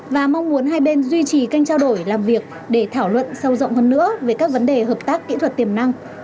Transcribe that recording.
và mong muốn hai bên duy trì kênh trao đổi làm việc để thảo luận sâu rộng hơn nữa về các vấn đề hợp tác kỹ thuật tiềm năng